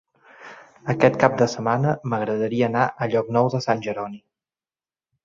Aquest cap de setmana m'agradaria anar a Llocnou de Sant Jeroni.